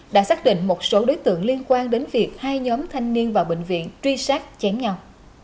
đã xác định một số đối tượng liên quan đến việc hai nhóm thanh niên vào bệnh viện truy sát chén nhau